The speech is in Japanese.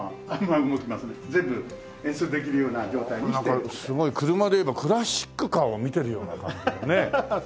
なんかすごい車でいえばクラシックカーを見てるような感じでね。